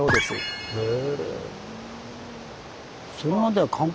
へえ。